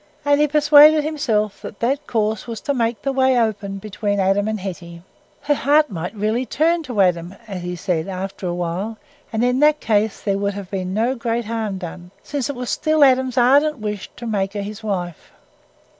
And he persuaded himself that that course was to make the way open between Adam and Hetty. Her heart might really turn to Adam, as he said, after a while; and in that case there would have been no great harm done, since it was still Adam's ardent wish to make her his wife.